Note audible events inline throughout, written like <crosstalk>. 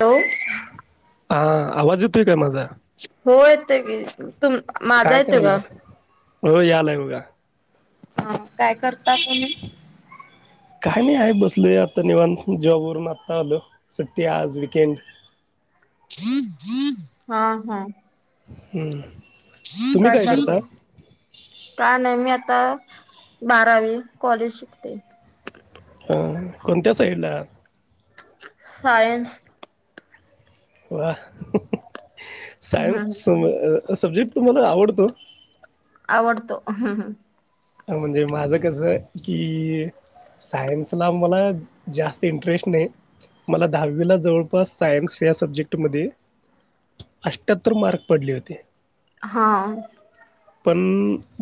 Hello हा आवाज येतोय का माझा? हो येतं की तुम माझा काय येतोय का करायलाय? हो यायलाय बघा हा काय करता तुम्ही? काही नाही आहे बसल आता निवन जॉब वरून आत्ता आलो सुट्टी आज वकेंड हा हा हम्म तुम्ही काय चालय करता? का नाही मी आता बारावी कॉलेज शिकते. हम कोणत्या साईडला आहात? सायन्स. वा सायन्स हम्म सब्जेक्ट तुम्हाला आवडतो? आवडतो ह्. म्हणजे माझं कसं की सायन्सला मला जास्त इंटरेस्ट नाही. मला दहावीला जवळपास सायन्स या सब्जेक्ट मध्ये अष्ट्याहत्तर मार्क पडले होते. हा. पण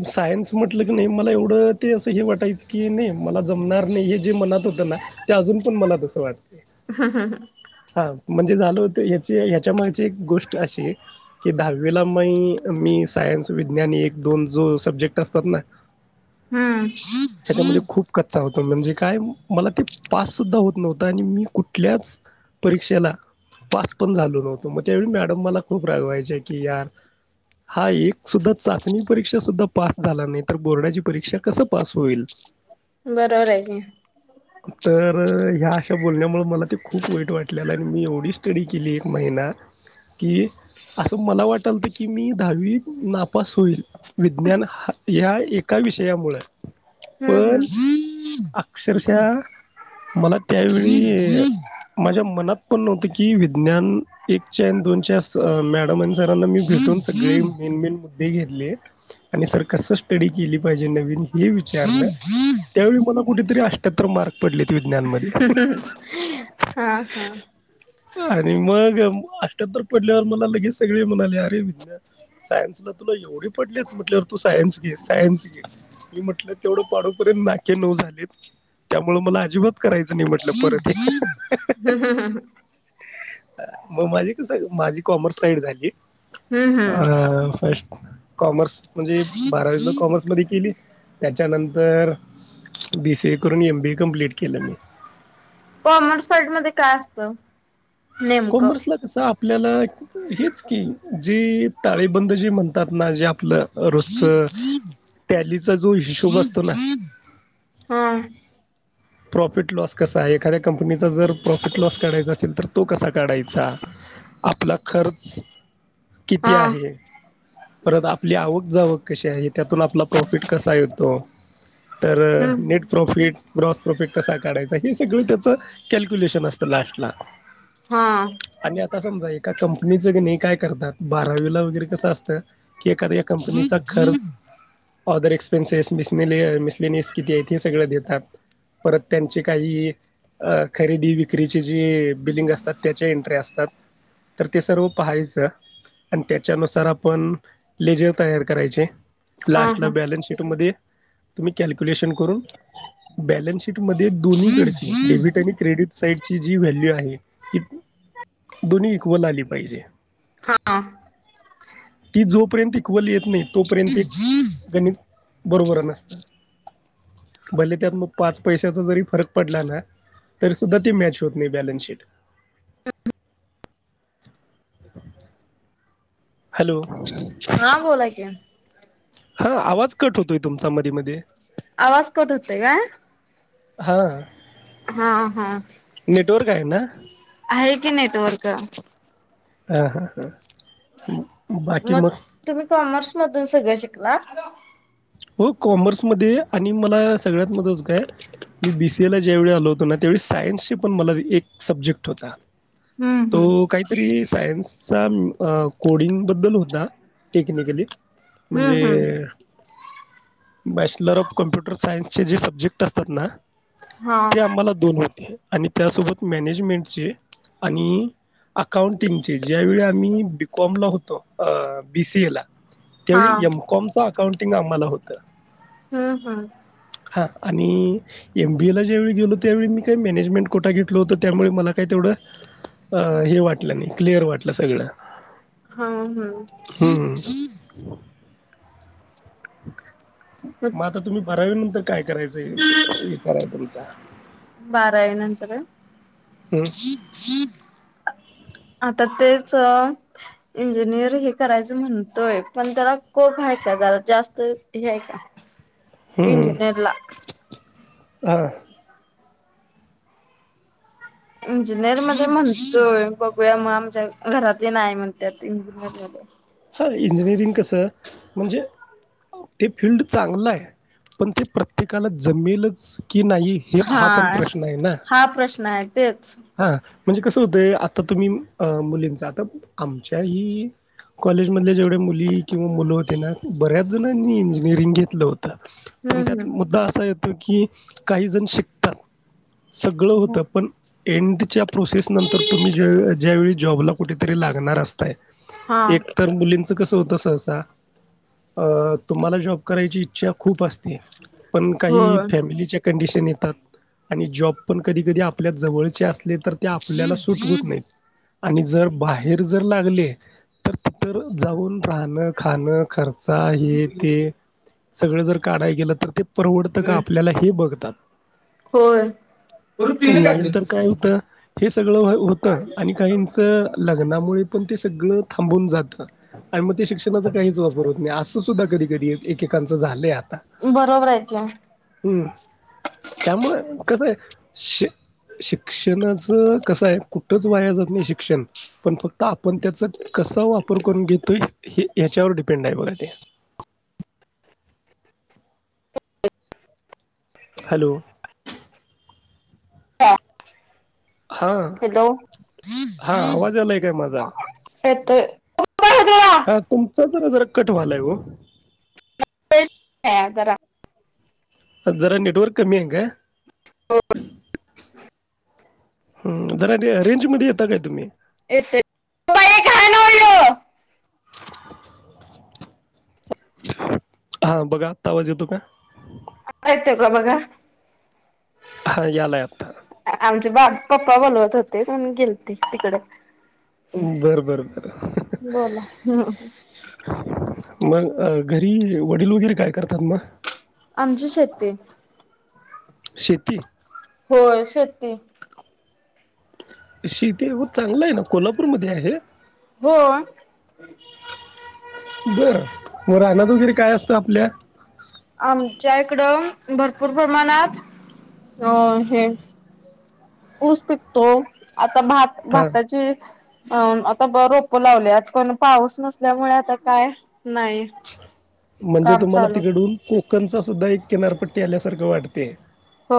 सायन्स म्ह म्हटलं की नाही मला एवढं ते असं हे वाटायचं की नाही मला जमणार नाही हे जे मनात होतं ना ते अजून पण मला तसं वाटतंय हा हा हा हा म्हणजे झालो होत हची ह्याच्या मागची एक गोष्ट अशी आहे. की दहावीला मग मी सायन्स विज्ञान एक दोन जो सब्जेक्ट असतात ना हा ह्याच्यामध्ये खूप कच्चा होतो म्हणजे काय मला ते पास सुद्धा होत नव्हतं आणि मी कुठल्याच परीक्षेला पास पण झालो नव्हतो मग त्यावेळी मॅडम मला खूप रागवायचे की यार हा एक सुद्धा चाचणी परीक्षा सुद्धा पास झाला नाही तर बोर्डाची परीक्षा कस पास होईल? बरोबर आहे की तर ह्या अशा बोलण्यामुळं मला ते खूप वाईट वाटलेलं आणि मी एवढी स्टडी केली एक महिना की असं मला वाटलत की मी दहावी नापास होईल विज्ञान हा ह्या एका विषया मुळ हम्म पण हम्म अक्षरशः मला त्यावेळी माझ्या मनात पण नव्हतं की विज्ञान एकच्या आणि दोन मॅडम आणि सरांना मी भेटून सगळे मेन मेन मुद्दे घेतले आणि सर कस टडी केली पाहिजे नवीन हे विचारलं. त्यावेळी मला कुठेतरी आ ठ्यातर मार्क पडले होते. विज्ञान मध्ये. हा हा आणि मग अठ्यातर पडल्यावर मला लगेच सगळे म्हणाले अरे विज्ञान सायन्स ला तुला एवढे पडलेत म्हटवर तू सायन्स घे सायन्स घे. मी म्हटलं तेवढं पाडोपर्यंत नाके नऊ झालेत. त्यामुळ मला अजिबात करायचं नाही म्हटलं, हम्म परत हे. हम्म म माझी कस, माझी कॉमर्स साईड झालीय. हम्म अ फस्ट कॉमर्स म्हणजे, बारावी सुध्दा हम्म कॉमर्स मधी केली. त्याच्यानंतर बी सी ए करून एम बी ए कमप्लीट केलं मी. कॉमर्स साईड मध्ये काय असतं? नेमकं? कॉमर्सला कसं आपल्याला हेच की, जे ताळेबंद जे म्हणतात ना. जे आपलं रोजच टॅलीचा जो हिशोब असतो ना. ह. प्रॉफिट लॉस कसा आहे? एखाद्या कंपनीचा जर प्रॉफिट लॉस काढायचा असेल तर, तो कसा काढायचा. आपला खर्च किती हा आहे? परत आपली आवक जावक कशी आहे? त्यातून आपला प्रॉफिट कसा येतो? तर, हम्म नेट प्रॉफिट, ग्रॉस प्रोफीट कसा काढायचा? हे सगळं त्याचं कॅल्क्युलेशन असतं लास्टला. हा. आणि आता समजा, एका कंपनीचंणी काय करतात. बारावीला वगैरे कसं असतं? कि एखाद्या या कंपनीचा खर् ऑदर एक्सपेन्सेस, मिसले मिस्लेनियस किती आहेत? हे सगळं देतात. परत त्यांचे काही अ खरेदी विक्रीची जी बिलिंग असतात. त्याच्या एंट्री असतात. तर ते सर्व पाहायचं. अन त्याच्यानुसार आपण, लेजर तयार करायचे. लास्ट ला बॅलन्स शीट मधे, तुम्ही कॅल्क्युलेशन करून बॅलन्स मार्केट मधे दोन्हीकडची, डेबिट आणि क्रेडिट साईडची जी व्हॅल्यू आहे. ती दोन्ही इक्वल आली पाहिजे. <inaudible> ती जोपर्यंत इक्वली येत नाहीत. तोपर्यंत ते गणित बरोबर नसत. भले त्यात मग पाच पैशाचा जरी फरक पडला ना, तरी सुद्धा ती मॅच होत नाही बॅलन्स शीट. हॅलो. हां बोला की. हा, आवाज कट होतोय तुमचा, मधी मध्ये. आवाज कट हुतोय काय? हा. हा हा. नेटवर्क आहे ना? आहे की नेटवर्क. हां हां ह. म तुम्ही कॉमर्स मधून सगळं शिकला? हो कॉमर्समध्ये, आणि मला सगळ्यात महत्त्वाचं काय? मी बी सी ए ला ज्यावेळी आलो होतो ना, त्यावेळी सायन्सचे पण मला एक सब्जेक्ट होता. हम्म तो काहीऽ तरी सायन्सचा कोडिंग बद्दल होता, टेक्निकली. हम्म म्हणजे हम्म हम्म बॅचलर ऑफ कम्प्युटर सायन्सचे जे सब्जेक्ट असतात ना, हा ते आम्हांलाऽ दोन होते, आणि त्यासोबत मॅनेजमेंटचे, आणिऽ अकाउंटिंगचे, ज्यावेळी आम्ही बीकॉम ला होतो, बी सी ए ला. हा त्यावेळी एमकॉमच अकाउंटिंग आम्हांला होतं. ह.. हा..... हां, आणिऽ एम बी ए ला ज्या वेळी गेलो, त्यावेळी मी काही मॅनेजमेंट कोटा घेतलो होतो, त्यामुळे मला काय तेवढंऽ अ हे वाटलं नाही, क्लिअर वाटलं सगळं. हा, हा. <unintelligible> मग आता तुम्ही बारावीनंतर काय करायचं विषय विचार आहे तुमचा? बारावी नंतर होय, हं. <unintelligible> आता तेच अऽ इंजिनियर हे करायचं म्हणतोय, पण त्याला कोप आहे का, जरा जास्त हे हाय का? <unintelligible> हूं.. हूं.. इंजिनिअरला हा... इंजिनियर मध्ये म्हणतोय बघूया मग आमच्या घरातले नाही म्हणत्यात इंजिनियर यालय, हां इंजिनिअरिंग कसं म्हणजे, ते फिल्ड चांगलं आहे, पण ते प्रत्येकाला जमेलच की नाही हे हा. पण प्रश्न हा प्रश्न आहे तेच, हा, म्हणजे कसं हुतंय आता तुम्ही मुलींचा, आता आमच्याहीऽ कॉलेजमधले जेवढ्या मुली किंवा मुलं होते ना, बऱ्याच जणांनी इंजिनिअरिंग घेतलं होतं., पण त्यात हम्म मुद्दा असा येतो की, काही जण शिकतात. सगळं हम्म होतं पण एंडच्या प्रोसेस नंतर तुम्ही ज्या ज्यावेळी जॉबला कुठेतरी लागणार असताय, हा एक तर मुलींचं कसं होतं सहसा, अ तुम्हांला जॉब करायची इच्छा खूप असते, पण काही होय फॅमिलीच्या कंडिशन येतात आणि जॉब पण कधी -कधी आपल्या जवळ चे असले तर आपल्याला सूट होत नाहीत आणि जर बाहेर जर लागले, तर, तर जाऊन राहणं, खाणं, खर्चा, हे ते सगळं जर काढाय गेलं तर, ते परवडतं का आपल्याला हे बघतात. होय नाहीतर काय हुतं, हे सगळं हो होतं आणि काहींचं लग्नामुळे पण ते सगळं थांबून जातं. आणि मग ते शिक्षणाचा काहीच वापर होत नाही, असं सुद्धा कधी-कधी एकेकांचं झालंय आता. बरोबर आहे की, हम् त्यामुळं कसं आहे श शिक्षणाचं कसं आहे कुठंच वाया जात नाही शिक्षण पण फक्त आपण त्याच, कसा वापर करून घेतोय हे ह्याच्यावर डिपेंड आहे बघा ते. हॅलो हा हॅलोे हा आवाज आलाय काय माझा? येतोय ह तुमचा जरा जरा कट व्हायलाय ओ <unintelligible> घरात जरा नेटवर्क कमी आहे का <unintelligible> ह म् जरा र रेंजमध्ये येता काय तुम्ही येते त का हे काणवडलो <unintelligible> <unintelligible> <unintelligible> हा बघा आता आवाज येतो का आता येतोय का बघा हा यायला आत्ता आमचे बा पप्पा बोलवत होते पण गेलते तिकडे बर बर बर बोला हम्म मग घरी वडील वगैरे काय करतात मग आमची शेती आहे शेती होय शेती शेती अहो चांगल आहे ना कोल्हापूर मध्ये आहे हो बर. मग रानात वगैरे काय असतं आपल्या आमच्या इकडं भरपूर प्रमाणात अ हे ऊस पिकतो आता भात हां, भाताची अ आता ब रोप लावल्यात पण पाऊस नसल्यामुळे आता काय नाही <unintelligible> म्हणजे तुम्हाला चालू तिकडून कोकणचा सुद्धा एक किनारपट्टी आल्यासारखं वाटते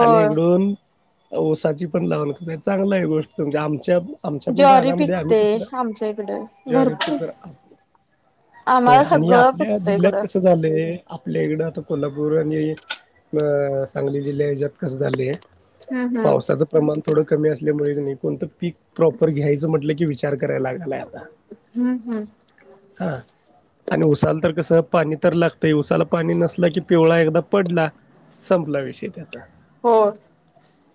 आणि इकडून ऊसाची पण लावण कर चांगला ह गोष्ट तुमजे आमच्या आमच्या पण ज्वारी राहनामध्ये आम्ही पिकते कस आमच्या इकडे ज्वारीच भरपूर तर आ आम्हाला आणि सगळं आपल्या पिकतं जिल्ह्यात इकडं. कसं झालंय आपल्या इकडं आता कोल्हापूर आणि म सांगली जिल्ह्या हच्यात कस झाली आहे हम्म हम्म पावसाचं प्रमाण थोडं कमी असल्यामुळे कणी कोणतं पीक प्रॉपर घ्यायचं म्हटलं की विचार विचार करायला लागला आता हम्म हम्म. हा आणि उसाला तर कस पाणी तर लागतं उसाला पाणी नसलं की पिवळा एकदा पडला संपला विषय त्याचा हो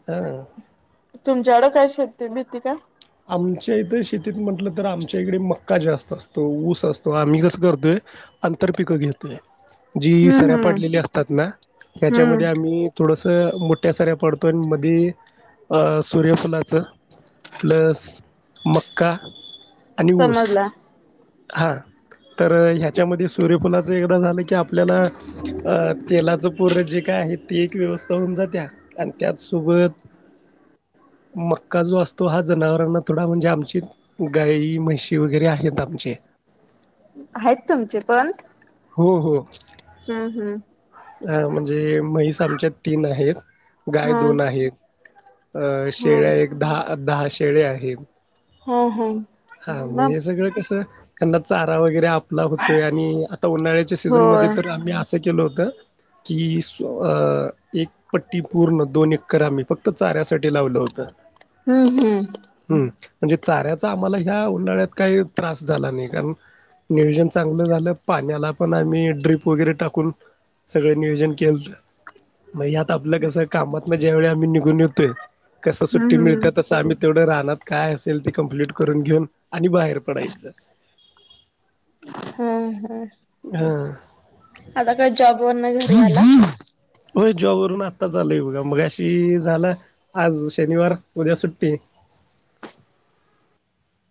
हा तुमच्याकड काय शेती आहे भीती काय आमच्या इथं शेतीत म्हटलं तर आमच्या इकडे मक्का जास्त असतो ऊस असतो आम्ही कसं करतोय अंतर पिक घेतोय जी हम्म सऱ्या हम्म पाडलेली असतात ना हम्म याच्यामध्ये आम्ही थोडंसं मोठ्या साऱ्या पडतो आणि मधी सूर्यफुलाचं प्लस मक्का आणि ऊस समजला. हा तर ह्याच्यामध्ये सूर्यफुलाचं एकदां झालं की आपल्याला अ तेलाचं पूर जे काय आहे ते एक व्यवस्था होऊन जाते आणि त्याचसोबत मक्का जो असतो तो हा जनावरांना थोडा म्हणजे आमची गाई म्हशी वगैरे आहेत आमचे. आहेत तुमचे पण. हो हो. हम्म हम्म. अ म्हणजे म्हैस आमच्या तीन आहेत. गाय हा दोन आहेत अ हा. शेळ्या एक दहा दहा शेळ्या आहेत. हम् हम् हा मग हे सगळं कसं त्यांना चारा वगैरे आप ला होतोय आणि आता उन्हाळ्याच्या होय. सीझनमध्येध्ये तर आम्ही असं केलं होत. की स् एक पट्टी पूर्ण दोन एकर आम्ही फक्त चाऱ्यासाठी लावलं होतं. हम्म हम्म. हम्म म्हणजे चाऱ्याचा आम्हाला ह्या उन्हाळ्यात काही त्रास झाला नाही कारण. नियोजन चांगलं झालं पाण्याला पण आम्ही ड्रीप वगैरे टाकून- सगळं नियोजन केलं. मग यात आपलं कस कामात ज्या वेळी आम्ही निघून येतोय कस सुट्टी हम्म हम्म. मिळते तसं आम्ही- तेवढं राहना काय असेल ते कम्प्लीट करून घेऊन आणि बाहेर पडायचं. हम् हम्. ह. आता काय जॉब वर न घरी आला. होय जॉबवरून आत्ता चाल आहे बघा मग अशी झालं आज शनिवार उद्या सुट्टी.